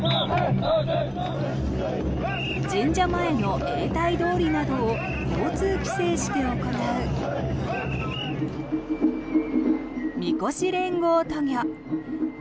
神社前の永代通りなどを交通規制して行うみこし連合渡御。